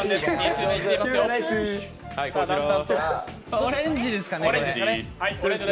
オレンジですかね、これ。